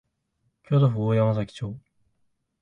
京都府大山崎町